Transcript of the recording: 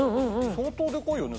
相当でかいよね。